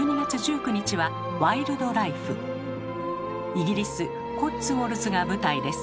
イギリスコッツウォルズが舞台です。